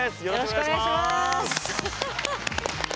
よろしくお願いします。